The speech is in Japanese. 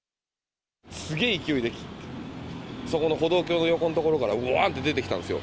すげー勢いで、そこの歩道橋の横の所からうわんって出てきたんですよ。